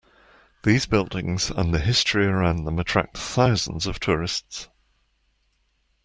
Those buildings and the history around them attract thousands of tourists.